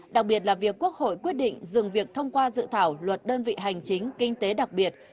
đặc biệt là việc quốc hội quyết định dừng việc thông qua dự thảo luật đơn vị hành chính kinh tế đặc biệt